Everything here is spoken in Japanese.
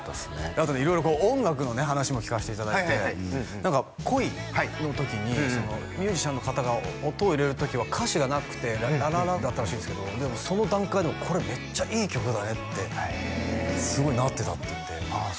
あと色々音楽のね話も聞かせていただいて「恋」の時にミュージシャンの方が音を入れる時は歌詞がなくて「ラララ」だったらしいんですけどその段階でもこれめっちゃいい曲だねってすごいなってたって言ってああ